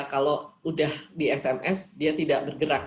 kalau udah di sms dia tidak bergerak